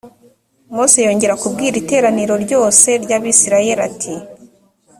mose yongera kubwira iteraniro ryose ry’abisirayeli ati